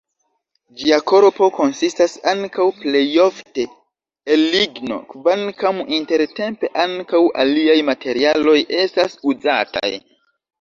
Ĝia korpo konsistas ankaŭ plejofte el ligno, kvankam intertempe ankaŭ aliaj materialoj estas uzataj.